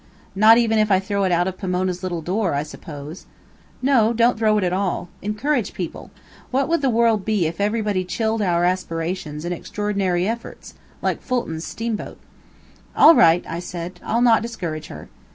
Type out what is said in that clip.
"Not even if I throw it out of Pomona's little door, I suppose." "No. Don't throw it at all. Encourage people. What would the world be if everybody chilled our aspirations and extraordinary efforts? Like Fulton's steamboat." "All right," I said; "I'll not discourage her."